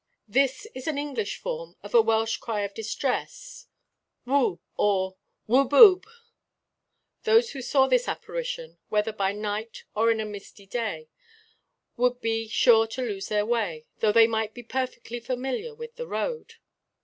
This is an English form of a Welsh cry of distress, 'Wwb!' or 'Ww bwb!' Those who saw this apparition, whether by night or on a misty day, would be sure to lose their way, though they might be perfectly familiar with the road.